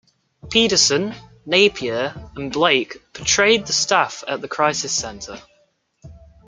Pedersen, Napier and Blake portrayed the staff at the crisis centre.